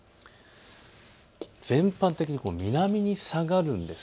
全般的に南に下がるんです。